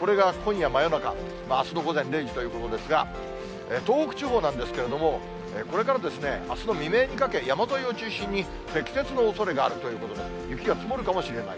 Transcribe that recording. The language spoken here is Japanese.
これが今夜真夜中、あすの午前０時ということですが、東北地方なんですけれども、これからあすの未明にかけ、山沿いを中心に積雪のおそれがあるということで、雪が積もるかもしれない。